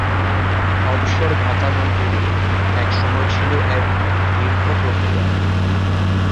অবসরভাতা মঞ্জুরি একসময় ছিল এক দীর্ঘ প্রক্রিয়া।